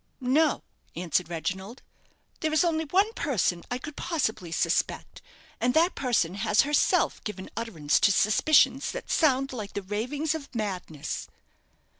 "No," answered Reginald. "There is only one person I could possibly suspect; and that person has herself given utterance to suspicions that sound like the ravings of madness."